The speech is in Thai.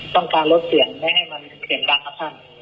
ต้องการให้ดูคนสนุกครับ